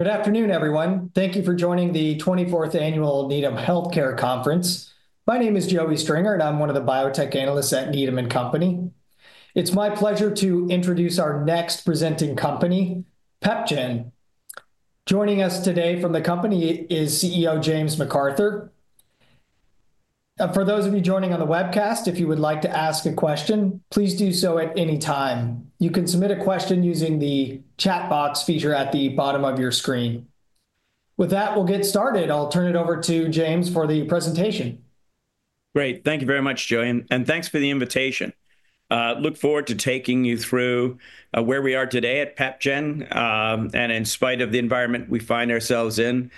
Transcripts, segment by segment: Good afternoon, everyone. Thank you for joining the 24th Annual Needham Healthcare Conference. My name is Joey Stringer, and I'm one of the biotech analysts at Needham & Company. It's my pleasure to introduce our next presenting company, PepGen. Joining us today from the company is CEO James McArthur. For those of you joining on the webcast, if you would like to ask a question, please do so at any time. You can submit a question using the chat box feature at the bottom of your screen. With that, we'll get started. I'll turn it over to James for the presentation. Great. Thank you very much, Joey, and thanks for the invitation. I look forward to taking you through where we are today at PepGen. In spite of the environment we find ourselves in,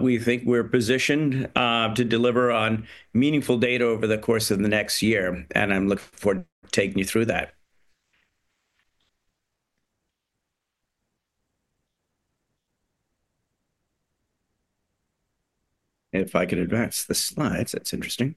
we think we're positioned to deliver on meaningful data over the course of the next year. I'm looking forward to taking you through that. If I could advance the slides, that's interesting.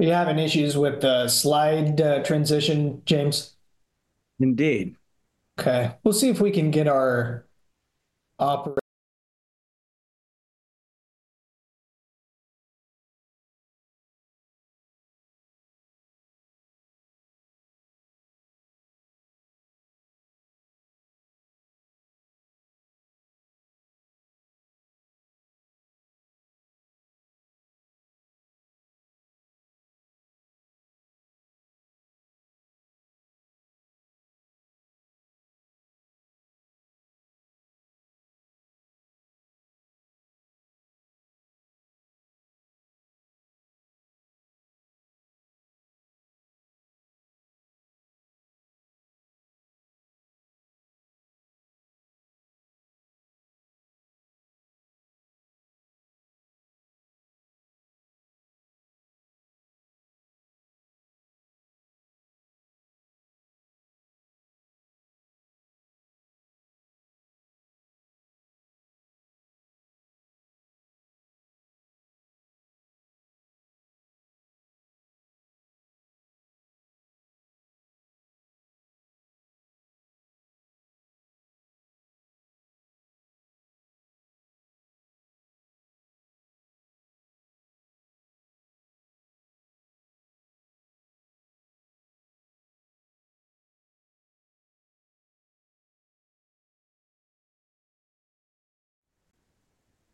Are you having issues with the slide transition, James? Indeed. Okay. We'll see if we can get our operator.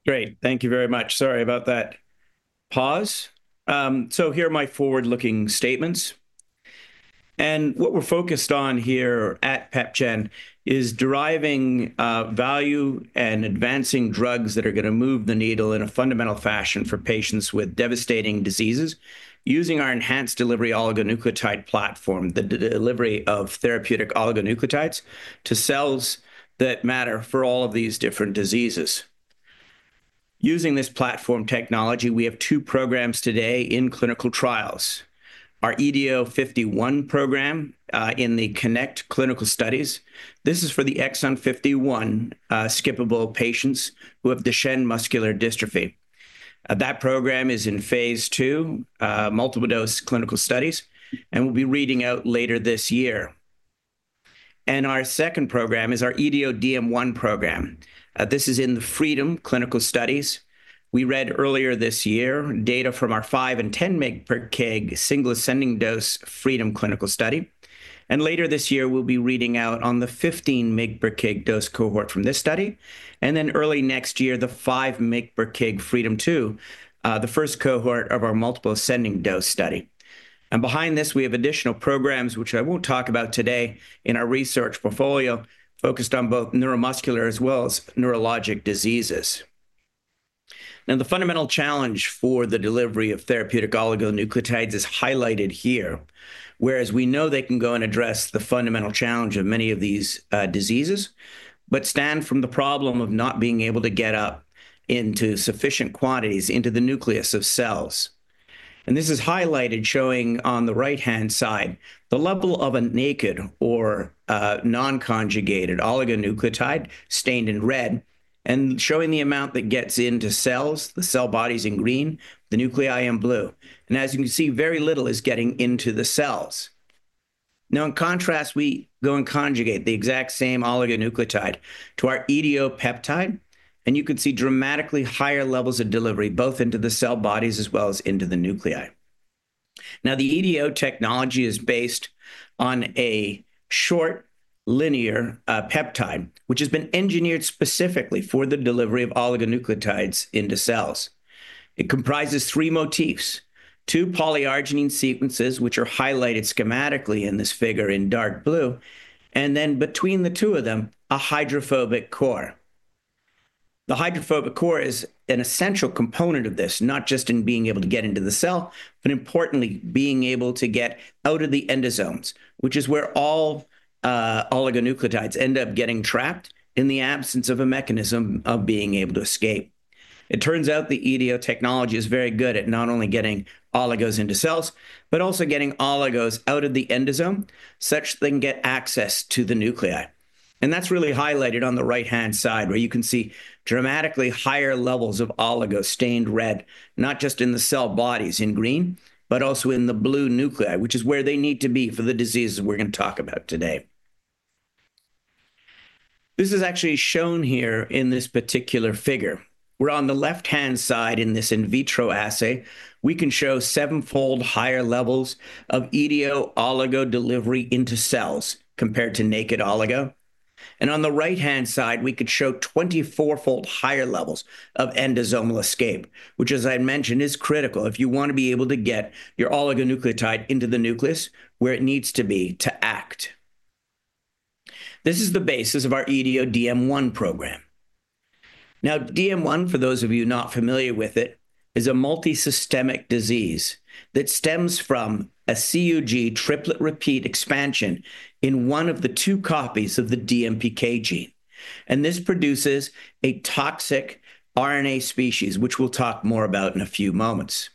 Great. Thank you very much. Sorry about that pause. Here are my forward-looking statements. What we're focused on here at PepGen is deriving value and advancing drugs that are going to move the needle in a fundamental fashion for patients with devastating diseases using our Enhanced Delivery Oligonucleotide platform, the delivery of therapeutic oligonucleotides to cells that matter for all of these different diseases. Using this platform technology, we have two programs today in clinical trials: our EDO-51 program in the Connect Clinical Studies. This is for the exon 51-skippable patients who have Duchenne Muscular Dystrophy. That program is in phase II, multiple dose clinical studies, and we'll be reading out later this year. Our second program is our EDO-DM-1 program. This is in the FREEDOM Clinical Studies. We read earlier this year data from our 5 and 10 mg/kg single ascending dose FREEDOM Clinical Study. Later this year, we'll be reading out on the 15 mg/kg dose cohort from this study. Early next year, the 5 mg/kg FREEDOM 2, the first cohort of our multiple ascending dose study. Behind this, we have additional programs, which I won't talk about today in our research portfolio, focused on both neuromuscular as well as neurologic diseases. Now, the fundamental challenge for the delivery of therapeutic oligonucleotides is highlighted here, whereas we know they can go and address the fundamental challenge of many of these diseases but stand from the problem of not being able to get up into sufficient quantities into the nucleus of cells. This is highlighted showing on the right-hand side the level of a naked or non-conjugated oligonucleotide stained in red and showing the amount that gets into cells, the cell bodies in green, the nuclei in blue. As you can see, very little is getting into the cells. In contrast, we go and conjugate the exact same oligonucleotide to our EDO peptide, and you can see dramatically higher levels of delivery both into the cell bodies as well as into the nuclei. The EDO technology is based on a short linear peptide, which has been engineered specifically for the delivery of oligonucleotides into cells. It comprises three motifs: two polyarginine sequences, which are highlighted schematically in this figure in dark blue, and then between the two of them, a hydrophobic core. The hydrophobic core is an essential component of this, not just in being able to get into the cell, but importantly, being able to get out of the endosomes, which is where all oligonucleotides end up getting trapped in the absence of a mechanism of being able to escape. It turns out the EDO technology is very good at not only getting oligos into cells, but also getting oligos out of the endosome such they can get access to the nuclei. That is really highlighted on the right-hand side, where you can see dramatically higher levels of oligos stained red, not just in the cell bodies in green, but also in the blue nuclei, which is where they need to be for the diseases we're going to talk about today. This is actually shown here in this particular figure. We're on the left-hand side in this in vitro assay. We can show seven-fold higher levels of EDO oligo delivery into cells compared to naked oligo. On the right-hand side, we could show 24-fold higher levels of endosomal escape, which, as I mentioned, is critical if you want to be able to get your oligonucleotide into the nucleus where it needs to be to act. This is the basis of our EDO-DM-1 program. Now, DM1, for those of you not familiar with it, is a multisystemic disease that stems from a CUG triplet repeat expansion in one of the two copies of the DMPK gene. This produces a toxic RNA species, which we'll talk more about in a few moments.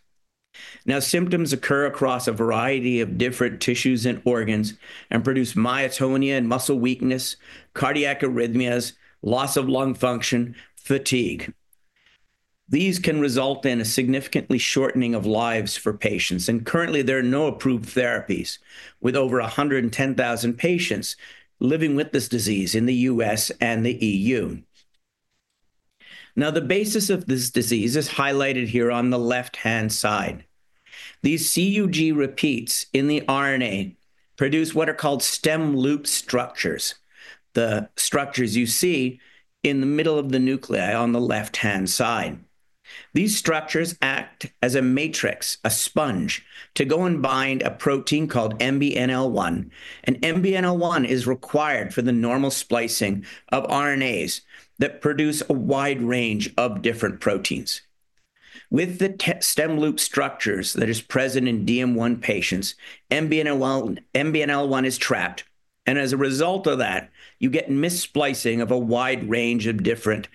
Symptoms occur across a variety of different tissues and organs and produce myotonia and muscle weakness, cardiac arrhythmias, loss of lung function, fatigue. These can result in a significantly shortening of lives for patients. Currently, there are no approved therapies with over 110,000 patients living with this disease in the U.S. and the EU. The basis of this disease is highlighted here on the left-hand side. These CUG repeats in the RNA produce what are called stem loop structures, the structures you see in the middle of the nuclei on the left-hand side. These structures act as a matrix, a sponge, to go and bind a protein called MBNL1. MBNL1 is required for the normal splicing of RNAs that produce a wide range of different proteins. With the stem loop structures that are present in DM1 patients, MBNL1 is trapped. As a result of that, you get missplicing of a wide range of different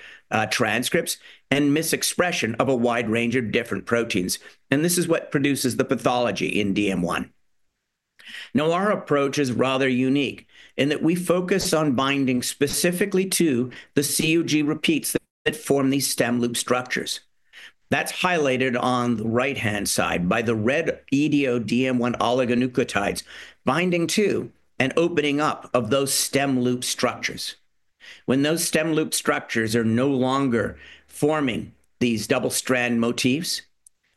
transcripts and mis-expression of a wide range of different proteins. This is what produces the pathology in DM-1. Now, our approach is rather unique in that we focus on binding specifically to the CUG repeats that form these stem loop structures. That is highlighted on the right-hand side by the red EDO-DM-1 oligonucleotides binding to and opening up of those stem loop structures. When those stem loop structures are no longer forming these double-strand motifs,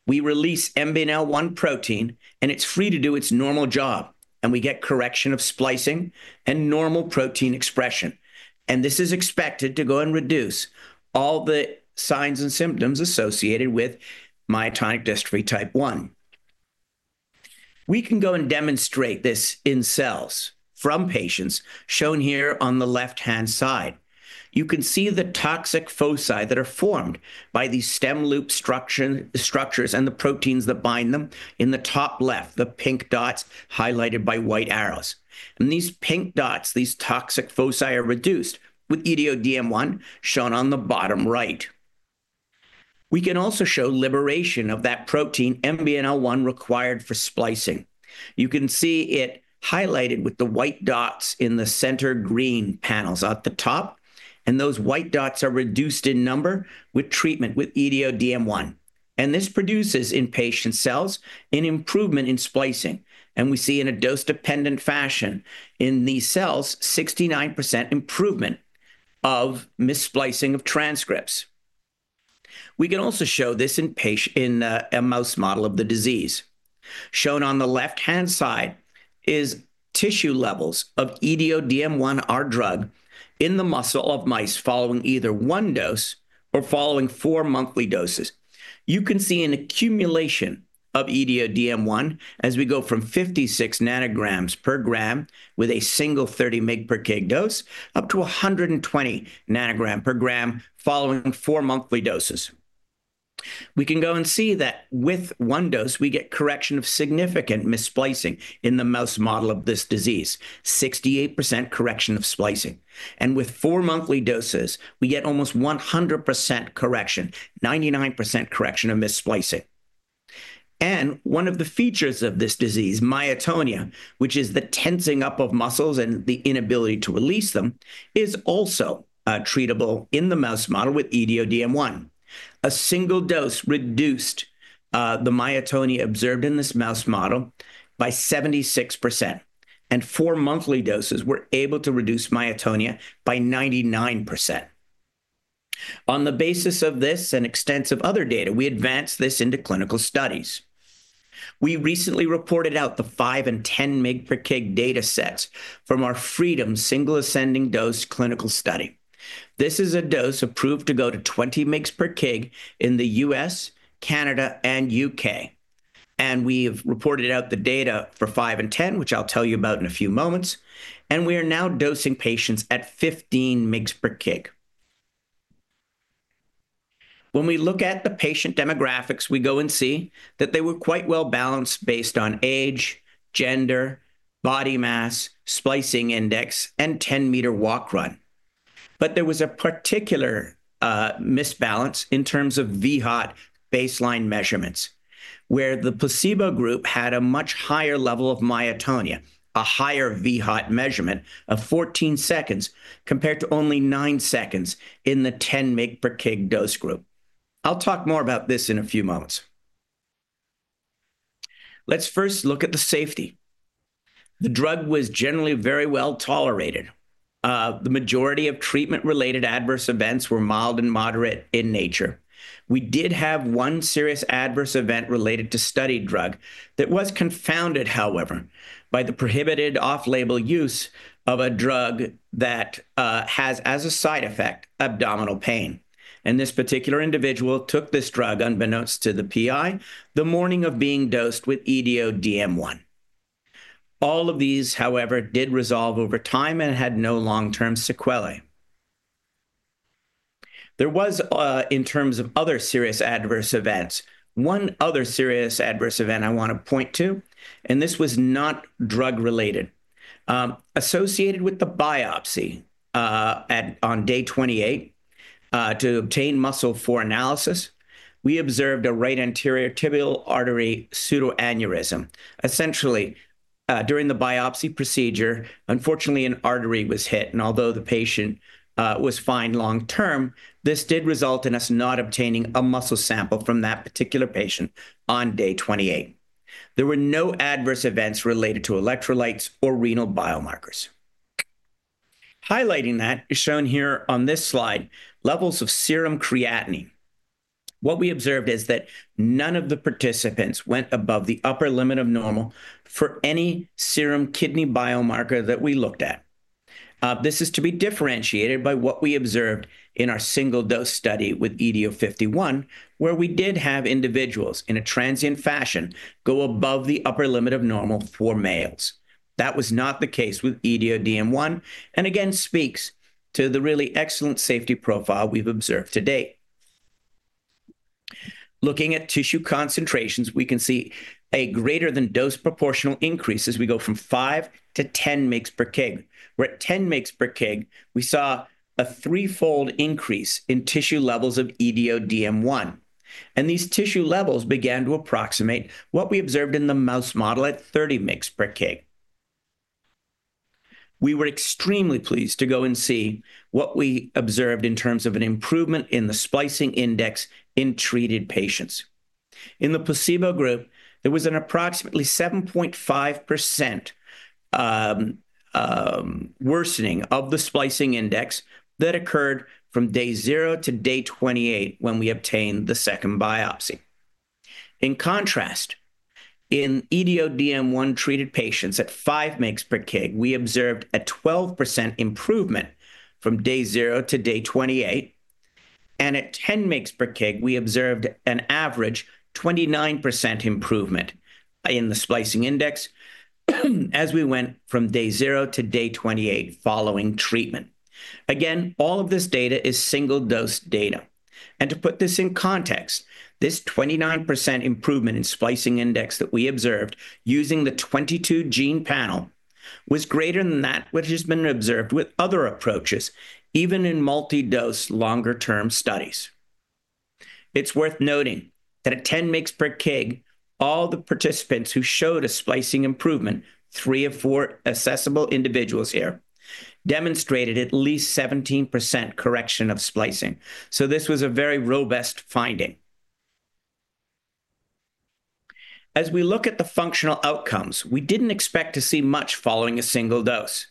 we release MBNL1 protein, and it is free to do its normal job. We get correction of splicing and normal protein expression. This is expected to go and reduce all the signs and symptoms associated with myotonic dystrophy type 1. We can go and demonstrate this in cells from patients shown here on the left-hand side. You can see the toxic foci that are formed by these stem loop structures and the proteins that bind them in the top left, the pink dots highlighted by white arrows. These pink dots, these toxic foci, are reduced with EDO-DM-1 shown on the bottom right. We can also show liberation of that protein MBNL1 required for splicing. You can see it highlighted with the white dots in the center green panels at the top. Those white dots are reduced in number with treatment with EDO-DM-1. This produces in patient cells an improvement in splicing. We see in a dose-dependent fashion in these cells, 69% improvement of missplicing of transcripts. We can also show this in a mouse model of the disease. Shown on the left-hand side is tissue levels of EDO-DM-1, our drug, in the muscle of mice following either one dose or following four monthly doses. You can see an accumulation of EDO-DM-1 as we go from 56 nanograms per gram with a single 30 mg/kg dose up to 120 nanograms per gram following four monthly doses. You can go and see that with one dose, we get correction of significant missplicing in the mouse model of this disease, 68% correction of splicing. With four monthly doses, we get almost 100% correction, 99% correction of missplicing. One of the features of this disease, myotonia, which is the tensing up of muscles and the inability to release them, is also treatable in the mouse model with EDO-DM-1. A single dose reduced the myotonia observed in this mouse model by 76%. Four monthly doses were able to reduce myotonia by 99%. On the basis of this and extensive other data, we advanced this into clinical studies. We recently reported out the 5 and 10 mg/kg data sets from our FREEDOM single ascending dose Clinical Study. This is a dose approved to go to 20 mg/kg in the U.S., Canada, and U.K. We have reported out the data for 5 and 10, which I'll tell you about in a few moments. We are now dosing patients at 15 mg/kg. When we look at the patient demographics, we go and see that they were quite well balanced based on age, gender, body mass, splicing index, and 10-meter walk run. There was a particular misbalance in terms of vHOT Baseline measurements, where the placebo group had a much higher level of myotonia, a higher vHOT measurement of 14 seconds compared to only 9 seconds in the 10 mg/kg dose group. I'll talk more about this in a few moments. Let's first look at the safety. The drug was generally very well tolerated. The majority of treatment-related adverse events were mild and moderate in nature. We did have one serious adverse event related to study drug that was confounded, however, by the prohibited off-label use of a drug that has as a side effect abdominal pain. This particular individual took this drug unbeknownst to the PI the morning of being dosed with EDO-DM-1. All of these, however, did resolve over time and had no long-term sequelae. There was, in terms of other serious adverse events, one other serious adverse event I want to point to, and this was not drug-related. Associated with the biopsy on day 28 to obtain muscle for analysis, we observed a right anterior tibial artery pseudoaneurysm. Essentially, during the biopsy procedure, unfortunately, an artery was hit. Although the patient was fine long-term, this did result in us not obtaining a muscle sample from that particular patient on day 28. There were no adverse events related to electrolytes or renal biomarkers. Highlighting that is shown here on this slide, levels of serum creatinine. What we observed is that none of the participants went above the upper limit of normal for any serum kidney biomarker that we looked at. This is to be differentiated by what we observed in our single dose study with EDO-51, where we did have individuals in a transient fashion go above the upper limit of normal for males. That was not the case with EDO-DM-1, and again, speaks to the really excellent safety profile we have observed to date. Looking at tissue concentrations, we can see a greater-than-dose proportional increase as we go from 5 to 10 mg/kg. We are at 10 mg/kg. We saw a threefold increase in tissue levels of EDO-DM-1. These tissue levels began to approximate what we observed in the mouse model at 30 mg/kg. We were extremely pleased to go and see what we observed in terms of an improvement in the splicing index in treated patients. In the placebo group, there was an approximately 7.5% worsening of the splicing index that occurred from day 0 to day 28 when we obtained the second biopsy. In contrast, in EDO-DM-1 treated patients at 5 mg/kg, we observed a 12% improvement from day 0 to day 28. At 10 mg/kg, we observed an average 29% improvement in the splicing index as we went from day 0 to day 28 following treatment. All of this data is single-dose data. To put this in context, this 29% improvement in splicing index that we observed using the 22-gene panel was greater than that which has been observed with other approaches, even in multi-dose longer-term studies. It's worth noting that at 10 mg/kg, all the participants who showed a splicing improvement, three of four assessable individuals here, demonstrated at least 17% correction of splicing. This was a very robust finding. As we look at the functional outcomes, we didn't expect to see much following a single dose.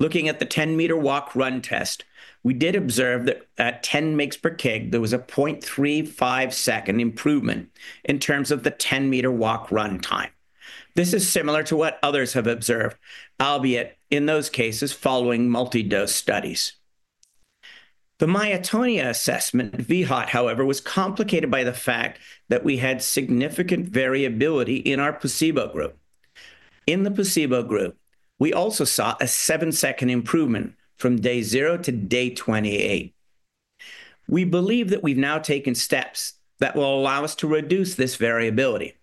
Looking at the 10-meter walk run test, we did observe that at 10 mg/kg, there was a 0.35-second improvement in terms of the 10-meter walk run time. This is similar to what others have observed, albeit in those cases following multi-dose studies. The myotonia assessment vHOT, however, was complicated by the fact that we had significant variability in our placebo group. In the placebo group, we also saw a 7-second improvement from day 0 to day 28. We believe that we've now taken steps that will allow us to reduce this variability.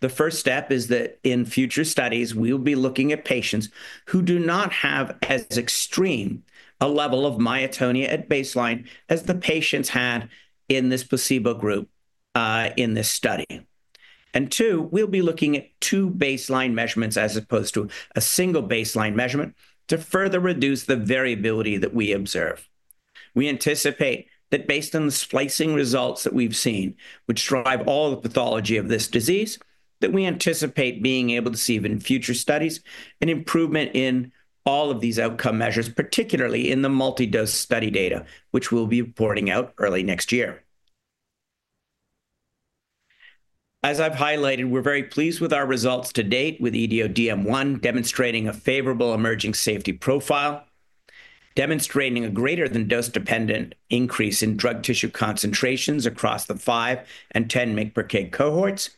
The first step is that in future studies, we will be looking at patients who do not have as extreme a level of myotonia at baseline as the patients had in this placebo group in this study. Two, we'll be looking at two baseline measurements as opposed to a single baseline measurement to further reduce the variability that we observe. We anticipate that based on the splicing results that we've seen, which drive all the pathology of this disease, that we anticipate being able to see in future studies an improvement in all of these outcome measures, particularly in the multi-dose study data, which we'll be reporting out early next year. As I've highlighted, we're very pleased with our results to date with EDO-DM-1 demonstrating a favorable emerging safety profile, demonstrating a greater-than-dose dependent increase in drug tissue concentrations across the 5 and 10 mg/kg cohorts,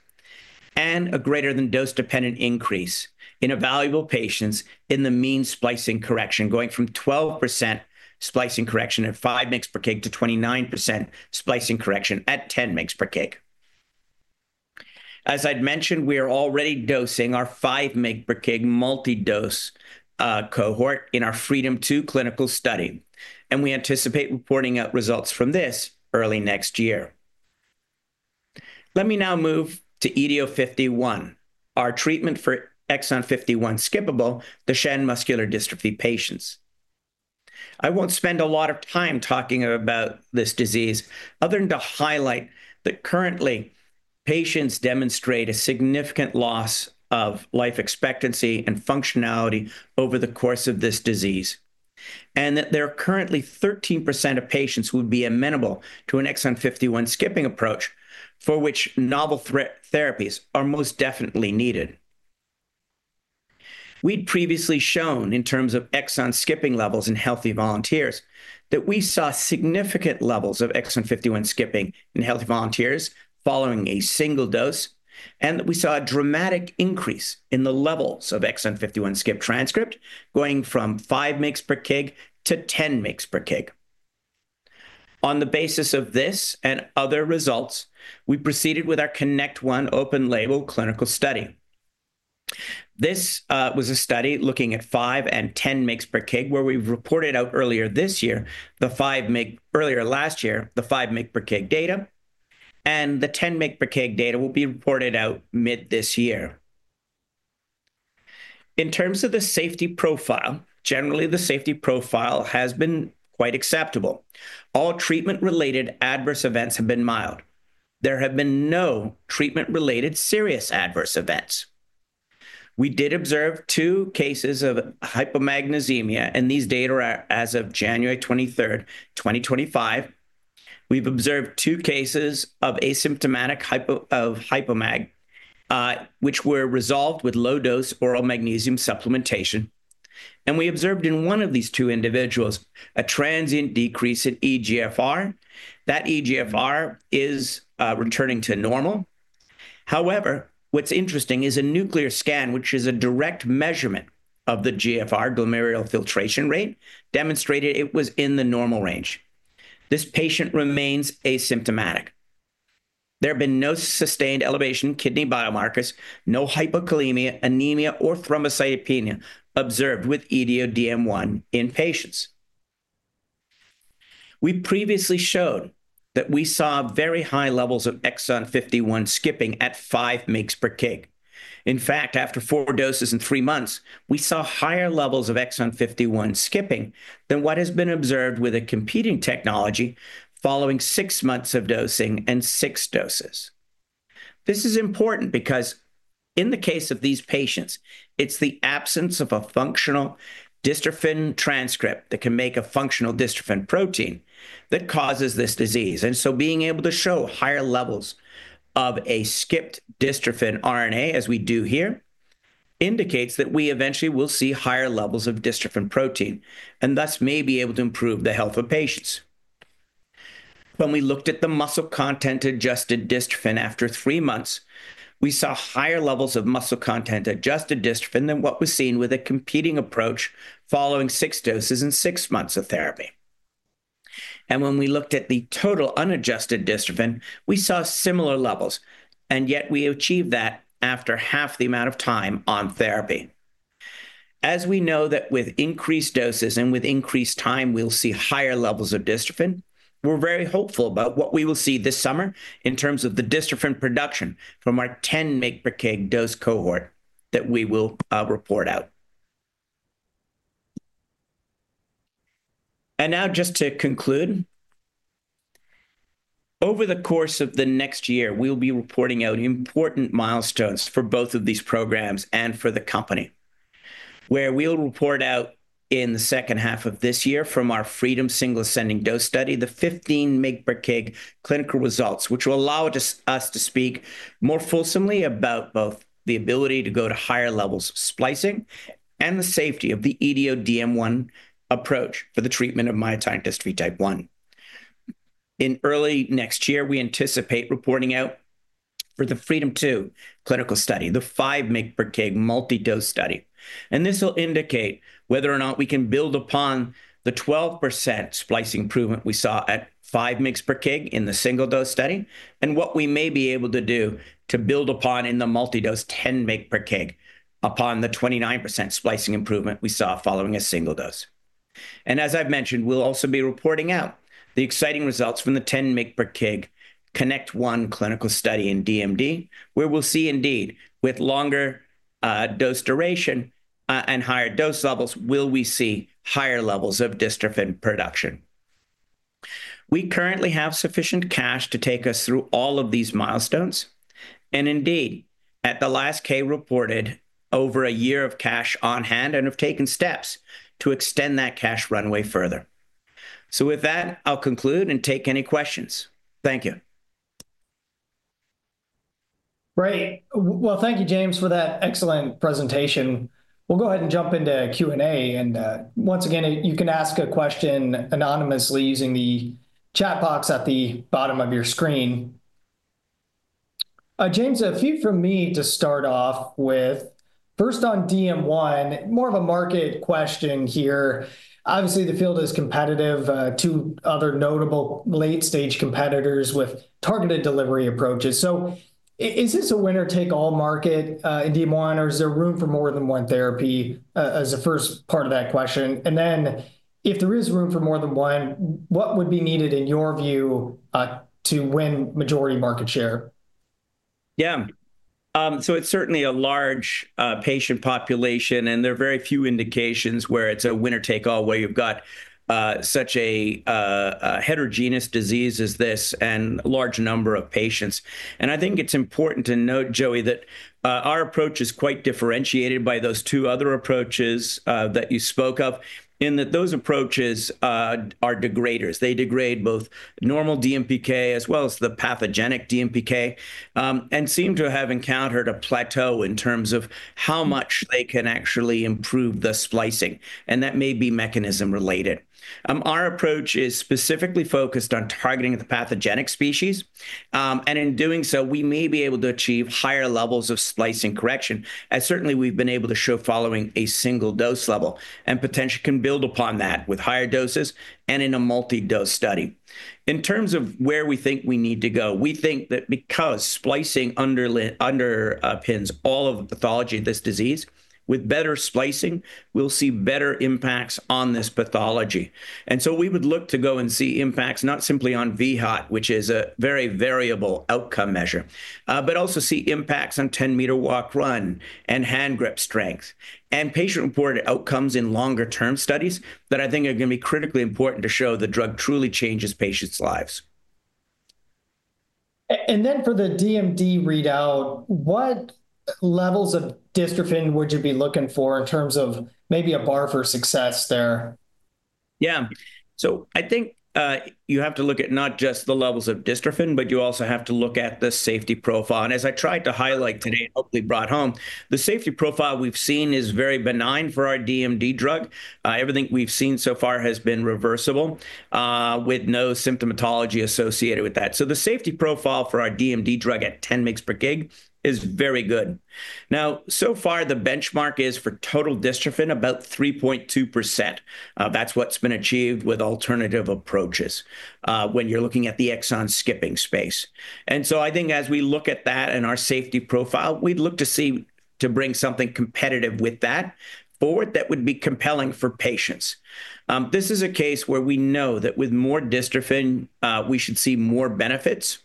and a greater-than-dose dependent increase in evaluable patients in the mean splicing correction going from 12% splicing correction at 5 mg/kg to 29% splicing correction at 10 mg/kg. As I'd mentioned, we are already dosing our 5 mg/kg multi-dose cohort in our FREEDOM 2 Clinical Study. We anticipate reporting out results from this early next year. Let me now move to EDO-51, our treatment for exon 51-skippable Duchenne Muscular Dystrophy patients. I won't spend a lot of time talking about this disease other than to highlight that currently, patients demonstrate a significant loss of life expectancy and functionality over the course of this disease, and that there are currently 13% of patients who would be amenable to an exon 51-skipping approach for which novel therapies are most definitely needed. We'd previously shown in terms of exon skipping levels in healthy volunteers that we saw significant levels of exon 51 skipping in healthy volunteers following a single dose, and that we saw a dramatic increase in the levels of exon 51 skipped transcript going from 5 mg/kg to 10 mg/kg. On the basis of this and other results, we proceeded with our CONNECT1 open-label Clinical Study. This was a study looking at 5 and 10 mg/kg where we reported out earlier this year, the 5 mg earlier last year, the 5 mg/kg data, and the 10 mg/kg data will be reported out mid this year. In terms of the safety profile, generally, the safety profile has been quite acceptable. All treatment-related adverse events have been mild. There have been no treatment-related serious adverse events. We did observe two cases of hypomagnesemia, and these data are as of January 23rd, 2025. We've observed two cases of asymptomatic hypomag, which were resolved with low-dose oral magnesium supplementation. We observed in one of these two individuals a transient decrease in eGFR. That eGFR is returning to normal. However, what's interesting is a nuclear scan, which is a direct measurement of the GFR, glomerular filtration rate, demonstrated it was in the normal range. This patient remains asymptomatic. There have been no sustained elevation in kidney biomarkers, no hypokalemia, anemia, or thrombocytopenia observed with EDO-DM-1 in patients. We previously showed that we saw very high levels of exon 51 skipping at 5 mg/kg. In fact, after four doses in three months, we saw higher levels of exon 51 skipping than what has been observed with a competing technology following six months of dosing and six doses. This is important because in the case of these patients, it's the absence of a functional dystrophin transcript that can make a functional dystrophin protein that causes this disease. Being able to show higher levels of a skipped dystrophin RNA, as we do here, indicates that we eventually will see higher levels of dystrophin protein and thus may be able to improve the health of patients. When we looked at the muscle content adjusted dystrophin after three months, we saw higher levels of muscle content adjusted dystrophin than what was seen with a competing approach following six doses and six months of therapy. When we looked at the total unadjusted dystrophin, we saw similar levels, and yet we achieved that after half the amount of time on therapy. As we know that with increased doses and with increased time, we'll see higher levels of dystrophin, we're very hopeful about what we will see this summer in terms of the dystrophin production from our 10 mg/kg dose cohort that we will report out. Just to conclude, over the course of the next year, we'll be reporting out important milestones for both of these programs and for the company, where we'll report out in the second half of this year from our FREEDOM single ascending dose study the 15 mg/kg clinical results, which will allow us to speak more fulsomely about both the ability to go to higher levels of splicing and the safety of the EDO-DM-1 approach for the treatment of myotonic dystrophy type 1. In early next year, we anticipate reporting out for the FREEDOM 2 Clinical Study, the 5 mg/kg multi-dose study. This will indicate whether or not we can build upon the 12% splicing improvement we saw at 5 mg/kg in the single dose study and what we may be able to do to build upon in the multi-dose 10 mg/kg upon the 29% splicing improvement we saw following a single dose. As I've mentioned, we'll also be reporting out the exciting results from the 10 mg/kg CONNECT1 Clinical Study in DMD, where we'll see indeed with longer dose duration and higher dose levels, will we see higher levels of dystrophin production. We currently have sufficient cash to take us through all of these milestones. Indeed, at the last K reported, over a year of cash on hand and have taken steps to extend that cash runway further. With that, I'll conclude and take any questions. Thank you. Great. Thank you, James, for that excellent presentation. We'll go ahead and jump into Q&A. Once again, you can ask a question anonymously using the chat box at the bottom of your screen. James, a few from me to start off with. First on DM1, more of a market question here. Obviously, the field is competitive to other notable late-stage competitors with targeted delivery approaches. Is this a winner-take-all market in DM1, or is there room for more than one therapy as the first part of that question? If there is room for more than one, what would be needed in your view to win majority market share? Yeah. It's certainly a large patient population, and there are very few indications where it's a winner-take-all where you've got such a heterogeneous disease as this and a large number of patients. I think it's important to note, Joey, that our approach is quite differentiated by those two other approaches that you spoke of in that those approaches are degraders. They degrade both normal DMPK as well as the pathogenic DMPK and seem to have encountered a plateau in terms of how much they can actually improve the splicing. That may be mechanism-related. Our approach is specifically focused on targeting the pathogenic species. In doing so, we may be able to achieve higher levels of splicing correction as certainly we've been able to show following a single dose level and potentially can build upon that with higher doses and in a multi-dose study. In terms of where we think we need to go, we think that because splicing underpins all of the pathology of this disease, with better splicing, we'll see better impacts on this pathology. We would look to go and see impacts not simply on vHOT, which is a very variable outcome measure, but also see impacts on 10-meter walk run and handgrip strength and patient-reported outcomes in longer-term studies that I think are going to be critically important to show the drug truly changes patients' lives. For the DMD readout, what levels of dystrophin would you be looking for in terms of maybe a bar for success there? Yeah. I think you have to look at not just the levels of dystrophin, but you also have to look at the safety profile. As I tried to highlight today and hopefully brought home, the safety profile we've seen is very benign for our DMD drug. Everything we've seen so far has been reversible with no symptomatology associated with that. The safety profile for our DMD drug at 10 mg/kg is very good. Now, so far, the benchmark is for total dystrophin about 3.2%. That's what's been achieved with alternative approaches when you're looking at the exon skipping space. I think as we look at that and our safety profile, we'd look to see to bring something competitive with that forward that would be compelling for patients. This is a case where we know that with more dystrophin, we should see more benefits.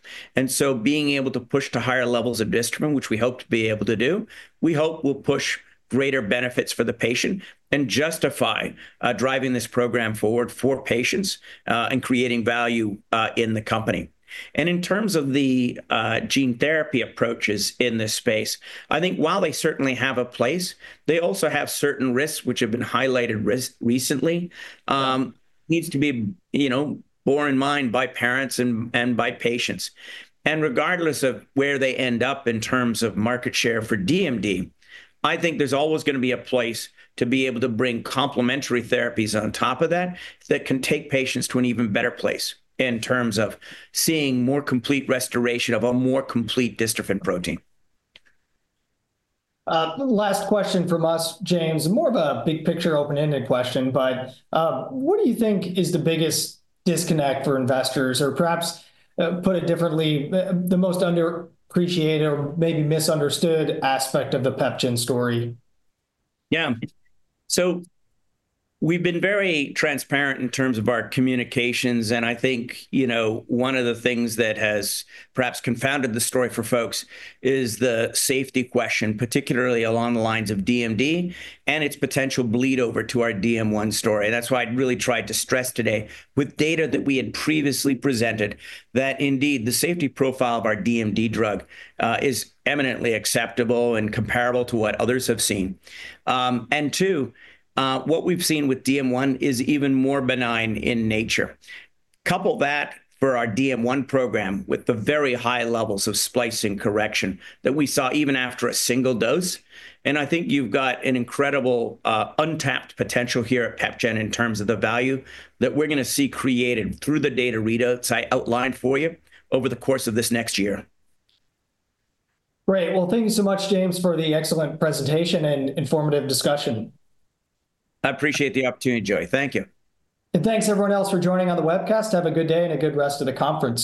Being able to push to higher levels of dystrophin, which we hope to be able to do, we hope will push greater benefits for the patient and justify driving this program forward for patients and creating value in the company. In terms of the gene therapy approaches in this space, I think while they certainly have a place, they also have certain risks which have been highlighted recently and need to be borne in mind by parents and by patients. Regardless of where they end up in terms of market share for DMD, I think there's always going to be a place to be able to bring complementary therapies on top of that that can take patients to an even better place in terms of seeing more complete restoration of a more complete dystrophin protein. Last question from us, James, more of a big picture open-ended question, but what do you think is the biggest disconnect for investors or perhaps put it differently, the most underappreciated or maybe misunderstood aspect of the PepGen story? Yeah. We've been very transparent in terms of our communications. I think one of the things that has perhaps confounded the story for folks is the safety question, particularly along the lines of DMD and its potential bleed over to our DM1 story. That is why I really tried to stress today with data that we had previously presented that indeed the safety profile of our DMD drug is eminently acceptable and comparable to what others have seen. Two, what we have seen with DM1 is even more benign in nature. Couple that for our DM1 program with the very high levels of splicing correction that we saw even after a single dose. I think you have got an incredible untapped potential here at PepGen in terms of the value that we are going to see created through the data readouts I outlined for you over the course of this next year. Great. Thank you so much, James, for the excellent presentation and informative discussion. I appreciate the opportunity, Joey. Thank you. And thanks everyone else for joining on the webcast. Have a good day and a good rest of the conference.